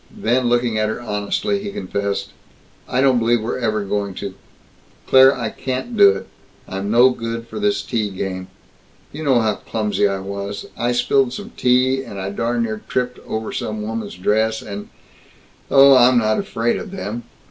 Then, looking at her honestly, he confessed, "I don't believe we're ever going to. Claire, I can't do it. I'm no good for this tea game. You know how clumsy I was. I spilled some tea, and I darn near tripped over some woman's dress and Oh, I'm not afraid of them.